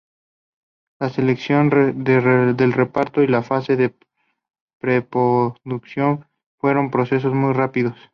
La selección del reparto y la fase de preproducción fueron procesos muy rápidos.